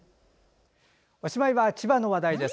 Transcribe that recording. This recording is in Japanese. おしまいは千葉の話題です。